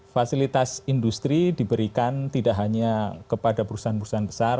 fasilitas industri diberikan tidak hanya kepada perusahaan perusahaan besar